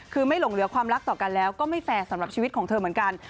คือไม่หลงเหลือความรักต่อกันแล้วก็ไม่แฟร์สำหรับชีวิตของเธอเหมือนกัน